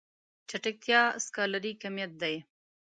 چټکتيا سکالري کميت دی.